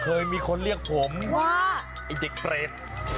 เคยมีคนเรียกผมว่าไอ้เด็กเปรต